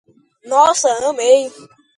Nossa, amei!